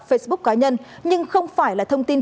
facebook cá nhân nhưng không phải là thông tin